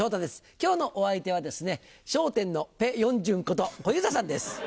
今日のお相手はですね『笑点』のペ・ヨンジュンこと小遊三さんです。